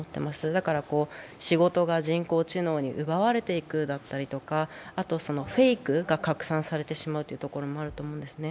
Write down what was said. だから仕事が人工知能に奪われていくだったりとかフェイクが拡散されてしまうというところもあると思うんですね。